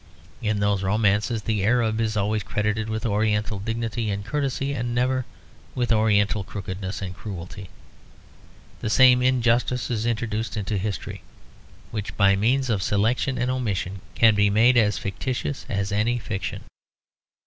In those romances the Arab is always credited with oriental dignity and courtesy and never with oriental crookedness and cruelty. The same injustice is introduced into history, which by means of selection and omission can be made as fictitious as any fiction.